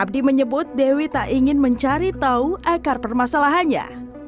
abdi menyebut dewi tak ingin mencari tahu akar permasalahannya